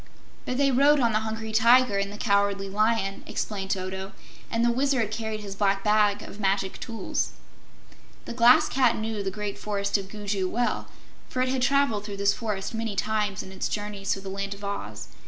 "But they rode on the Hungry Tiger and the Cowardly Lion," explained Toto, "and the Wizard carried his Black Bag of Magic Tools." The Glass Cat knew the Great Forest of Gugu well, for it had traveled through this forest many times in its journeys through the Land of Oz.